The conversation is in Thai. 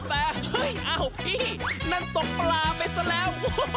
แต่เฮ้ยอ้าวพี่นั่นตกปลาไปซะแล้ว